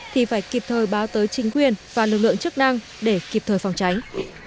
thì phải kịp thời báo tới chính quyền và lực lượng chức năng để kịp thời phòng tránh